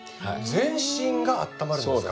全身があったまるんですか？